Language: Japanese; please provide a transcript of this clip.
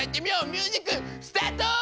ミュージックスタート！